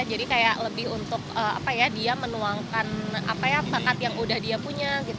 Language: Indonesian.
jadi kayak lebih untuk apa ya dia menuangkan apa ya pakat yang udah dia punya gitu